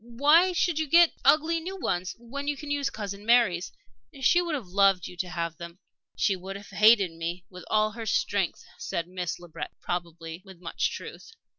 Why should you get ugly new ones, when you can use Cousin Mary's? She would have loved you to have them." "She would have hated me with all her strength," said Miss Le Breton, probably with much truth.